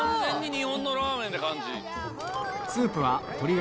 日本のラーメンって感じ。